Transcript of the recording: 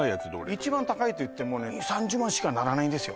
一番高いといってもね２０３０万しかならないんですよ